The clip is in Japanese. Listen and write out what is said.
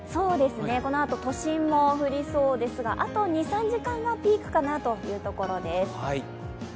このあと都心も降りそうですがあと２３時間がピークかなというところです。